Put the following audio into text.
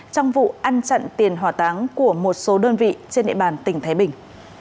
trong vụ ăn chặn tiền hỏa táng của một số đơn vị trên địa bàn tỉnh thái bình